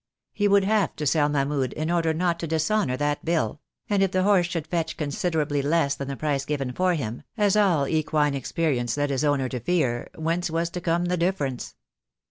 He would have to sell Mahmud in order not to dishonour that bill; and if the horse should fetch considerably less than the price given for him, as all equine experience led his owner to fear, whence was to come the difference?